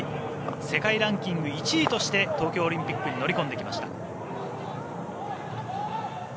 世界ランキング１位として東京オリンピックに乗り込んできました。